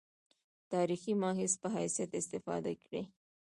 تاریخي مأخذ په حیث استفاده کړې.